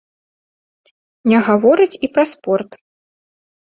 Не гаворыць і пра спорт.